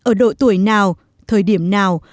ở độ tuổi nào thời điểm nào